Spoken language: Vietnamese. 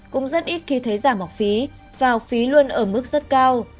cũng rất ít khi thấy giảm học phí và phí luôn ở mức rất cao